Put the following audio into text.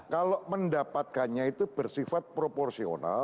kalau mendapatkannya itu bersifat proporsional